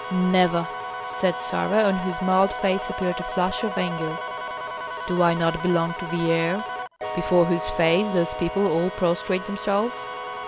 "Never!" said Sarah, on whose mild face appeared a flush of anger. "Do I not belong to the heir, before whose face those people all prostrate themselves?"